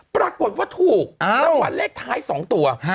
ปรากฏว่าถูกรางวัลเลขท้าย๒ตัว